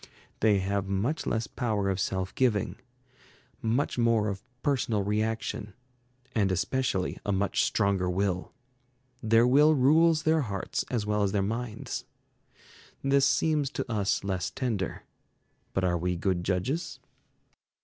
They have much less power of self giving, much more of personal reaction; and especially a much stronger will. Their will rules their hearts as well as their minds. This seems to us less tender. But are we good judges?